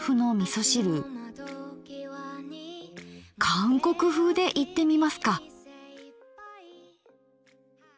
韓国風でいってみますか。